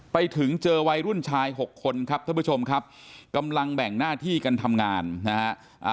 ไปถึงเจอวัยรุ่นชายหกคนครับท่านผู้ชมครับกำลังแบ่งหน้าที่กันทำงานนะฮะ